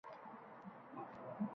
Bilmaslik azobi abadiy